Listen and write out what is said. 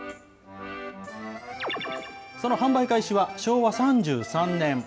その販売開始は昭和３３年。